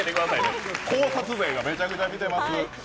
考察動画めちゃくちゃ見ています。